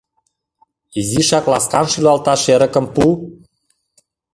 Изишак ласкан шӱлалташ эрыкым пу.